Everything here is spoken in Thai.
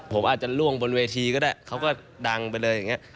ผมอาจจะล่วงบนเวทีก็ได้เขาก็ดังไปเลยอย่างนี้